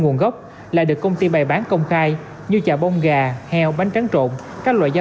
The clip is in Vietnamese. nguồn gốc lại được công ty bày bán công khai như chà bông gà heo bánh tráng trộn các loại gia